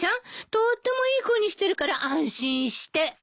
とーってもいい子にしてるから安心して。